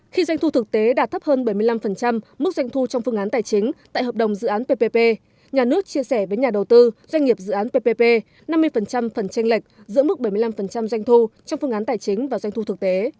khi doanh thu thực tế đạt thấp hơn bảy mươi năm mức doanh thu trong phương án tài chính tại hợp đồng dự án ppp nhà nước chia sẻ với nhà đầu tư doanh nghiệp dự án ppp năm mươi phần tranh lệch giữa mức bảy mươi năm doanh thu trong phương án tài chính và doanh thu thực tế